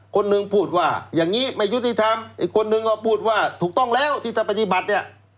คนหนึ่งพูดว่าอย่างนี้ไม่ยุติธรรมอีกคนนึงก็พูดว่าถูกต้องแล้วที่จะปฏิบัติเนี่ย